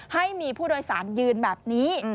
ให้มีผู้โดยสารยืนแบบนี้